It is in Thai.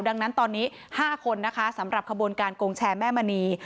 ดังนั้นตอนนี้๕คนนะคะสำหรับขบวนการโกงแชร์แม่มณี